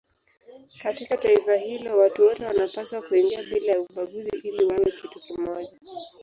Katika taifa hilo watu wote wanapaswa kuingia bila ya ubaguzi ili wawe kitu kimoja.